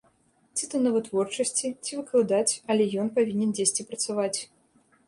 Ці то на вытворчасці, ці выкладаць, але ён павінен дзесьці працаваць.